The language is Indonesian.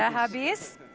waktu anda habis